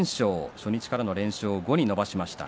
初日からの連勝を５に伸ばしました。